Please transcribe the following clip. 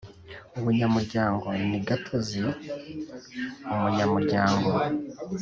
Ubunyamuryango ni gatozi Umunyamuryango